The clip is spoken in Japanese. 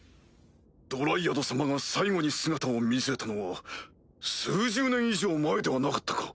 樹妖精様が最後に姿を見せたのは数十年以上前ではなかったか？